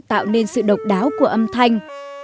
tạo nên sự độc đáo của âm thanh